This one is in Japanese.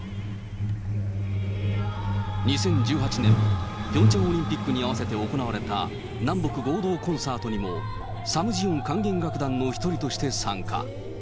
２０１８年、ピョンチャンオリンピックに合わせて行われた南北合同コンサートにも、サムジヨン管弦楽団の１人として参加。